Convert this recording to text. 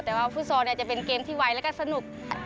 แต่ว่าฟุตซอลจะเป็นเกมที่ไวแล้วก็สนุก